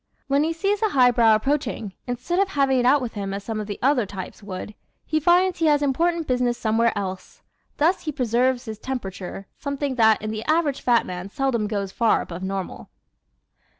When he sees a highbrow approaching, instead of having it out with him as some of the other types would, he finds he has important business somewhere else. Thus he preserves his temperature, something that in the average fat man seldom goes far above normal.